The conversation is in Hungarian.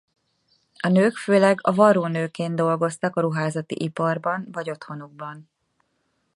A nők főleg a varrónőként dolgoztak a ruházati iparban vagy otthonukban.